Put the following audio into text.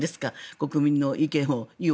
国民の意見を。